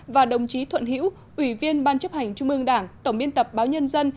và đồng chí thuận hữu ủy viên ban chấp hành trung ương đảng tổng biên tập báo nhân dân